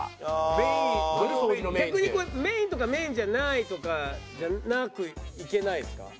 逆にこれメインとかメインじゃないとかじゃなくいけないですか？